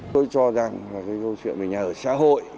tôi cho rằng là cái câu chuyện về nhà ở xã hội